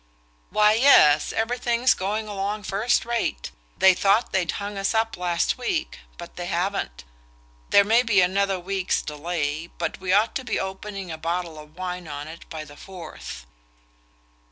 "Why, yes, everything's going along first rate. They thought they'd hung us up last week but they haven't. There may be another week's delay; but we ought to be opening a bottle of wine on it by the Fourth."